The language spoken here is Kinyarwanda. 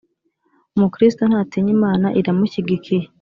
Umukristo ntatinya Imana iramushyigikiye